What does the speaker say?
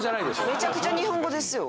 めちゃくちゃ日本語ですよ。